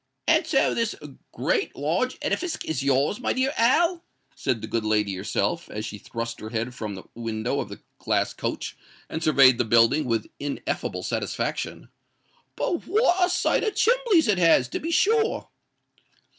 "And so this great large edifisk is yours, my dear Al?" said the good lady herself, as she thrust her head from the window of the glass coach, and surveyed the building with ineffable satisfaction. "But what a sight of chimbleys it has, to be sure!"